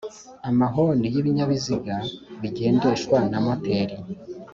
Amahoni y'ibinyabiziga bigendeshwa na moteri